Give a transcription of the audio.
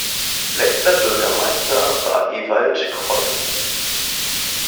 Letzter Bürgermeister war "Ewald Kroll".